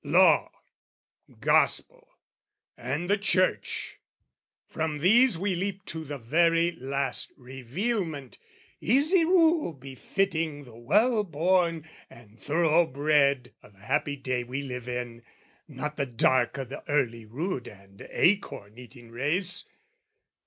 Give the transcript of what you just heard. Law, Gospel, and the Church from these we leap To the very last revealment, easy rule Befitting the well born and thorough bred O' the happy day we live in, not the dark O' the early rude and acorn eating race.